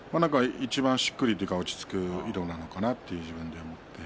いちばんしっくりくる落ち着く色なのかなと自分で思って。